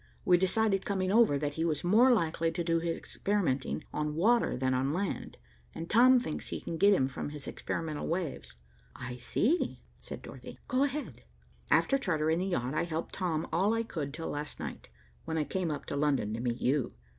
We decided, coming over, that he was more likely to do his experimenting on water than on land, and Tom thinks he can get him from his experimental waves." "I see," said Dorothy. "Go ahead." "After chartering the yacht, I helped Tom all I could till last night, when I came up to London to meet you.